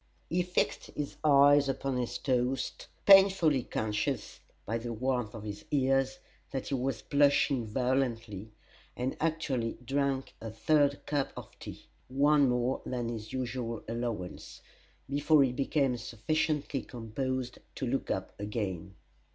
He fixed his eyes upon his toast, painfully conscious by the warmth of his ears that he was blushing violently, and actually drank a third cup of tea (one more than his usual allowance) before he became sufficiently composed to look up again.